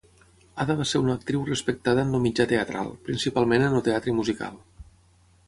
Ada va ser una actriu respectada en el mitjà teatral, principalment en el teatre musical.